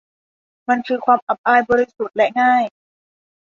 มันคือความอับอาย บริสุทธิ์และง่าย